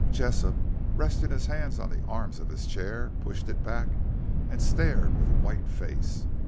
Jessop, resting his hands on the arms of his chair, pushed it back and stared with a white face.